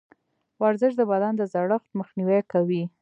ورزش د بدن د زړښت مخنیوی کوي.